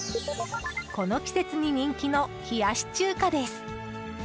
この季節に人気の冷やし中華です。